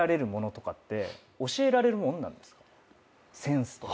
センスとか。